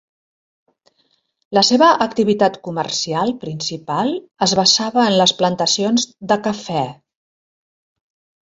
La seva activitat comercial principal es basava en les plantacions de cafè.